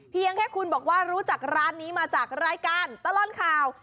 เพียงแค่คุณบอกว่ารู้จักร้านนี้มาจากรายการตลอดข่าว